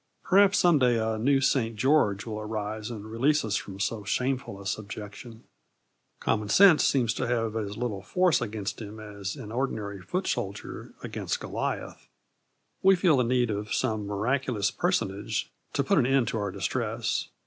Perhaps some day a new St George will arise and release us from so shameful a subjection. Common sense seems to have as little force against him as an ordinary foot soldier against Goliath. We feel the need of some miraculous personage to put an end to our distress.